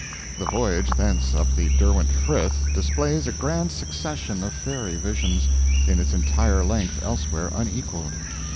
The voyage thence up the Derwent Frith displays a grand succession of fairy visions, in its entire length elsewhere unequaled.